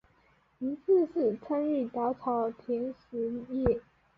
名字是参考早稻田实业。